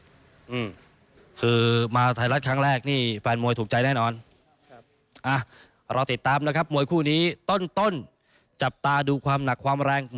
อืมคือมาไทยรัฐครั้งแรกนี่แฟนมวยถูกใจแน่นอนครับอ่ะรอติดตามนะครับมวยคู่นี้ต้นต้นจับตาดูความหนักความแรง